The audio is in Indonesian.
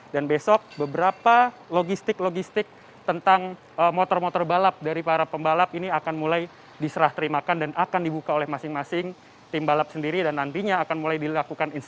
dan besok beberapa logistik logistik tentang motor motor balap dari para pembalap ini akan mulai diserah terimakan dan akan dibuka oleh masing masing tim balap sendiri